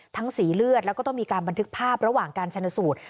สีเลือดแล้วก็ต้องมีการบันทึกภาพระหว่างการชนสูตร